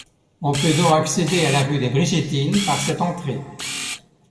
On peut donc accéder à la rue des Brigittines par cette entrée.